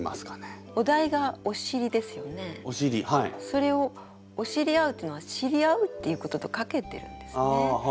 それを「おしりあう」っていうのは知り合うっていうこととかけてるんですね。